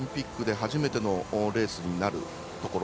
初めてのレースになるところ。